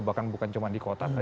bahkan bukan cuma di kota saja kan